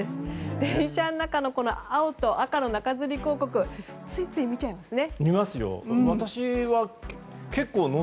電車の中の青と赤の中づり広告はついつい見ちゃいますね。